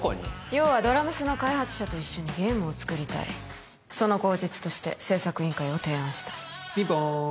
要はドラ娘の開発者と一緒にゲームを作りたいその口実として製作委員会を提案したピンポーン！